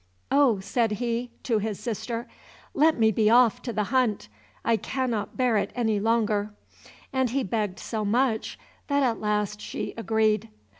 "Oh," said he, to his sister, "let me be off to the hunt, I cannot bear it any longer;" and he begged so much that at last she agreed.